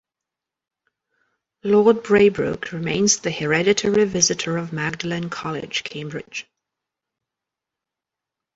Lord Braybrooke remains the Hereditary Visitor of Magdalene College, Cambridge.